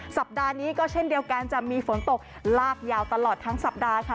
สัปดาห์นี้ก็เช่นเดียวกันจะมีฝนตกลากยาวตลอดทั้งสัปดาห์ค่ะ